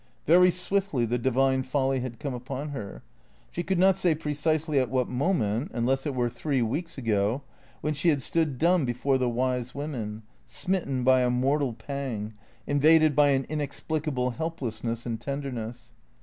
Very swiftly the divine folly had come upon her. She could not say precisely at what moment, unless it were three weeks ago, when she had stood dumb before the wise women, smitten by a mortal pang, invaded by an inexplicable helplessness and tender ness.